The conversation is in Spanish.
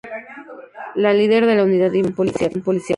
La líder de la unidad de investigación policiaca.